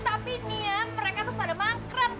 tapi nih ya mereka tuh pada mangkram